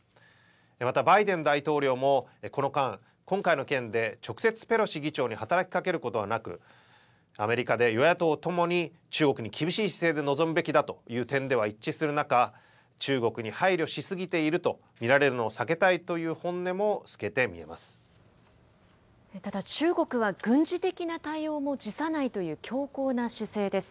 また、バイデン大統領もこの間、今回の件で直接、ペロシ議長に働きかけることはなく、アメリカで与野党ともに中国に厳しい姿勢で臨むべきだという点では一致する中、中国に配慮し過ぎていると見られるのを避けたいという本音もただ中国は、軍事的な対応も辞さないという強硬な姿勢です。